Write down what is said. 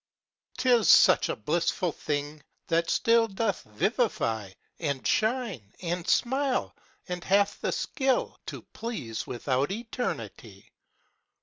'T is such a blissful thing that still Doth vivify, And shine and smile, and hath the skill To please without eternity.